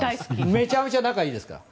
めちゃめちゃ仲がいいですから。